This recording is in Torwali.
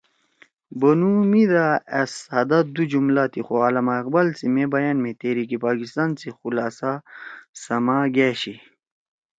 بنُو می دا أ سادہ دُو جملہ تھی خو علامہ اقبال سی مے بیان می تحریک پاکستان سی خلاصہ سما گأشی